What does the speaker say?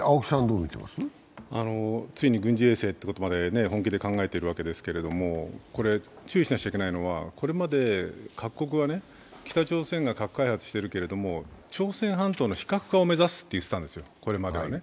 ついに軍事衛星ってことまで本気で考えてるわけですけども注意しなくちゃいけないのは、これまで各国は北朝鮮は核開発してるけれど朝鮮半島の非核化を目指すと言っていたんですよ、これまではね。